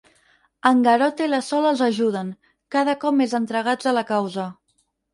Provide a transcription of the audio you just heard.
En Garota i la Sol els ajuden, cada cop més entregats a la causa.